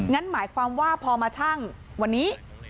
งั้นหมายความว่าพอมาชั่งวันนี้